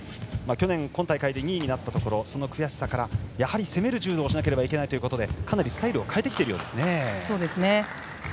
去年、今大会で２位になったところその悔しさからやはり攻める柔道をしなければいけないということでかなりスタイルを変えてきているようですね、児玉。